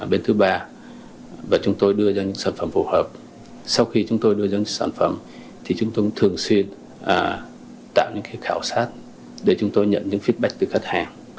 bên thứ ba chúng tôi đưa ra những sản phẩm phù hợp sau khi chúng tôi đưa ra những sản phẩm thì chúng tôi thường xuyên tạo những khảo sát để chúng tôi nhận những feedback từ khách hàng